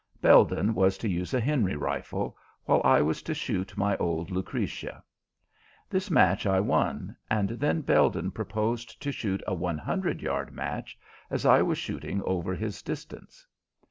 Belden was to use a Henry rifle, while I was to shoot my old "Lucretia." This match I won, and then Belden proposed to shoot a one hundred yard match, as I was shooting over his distance.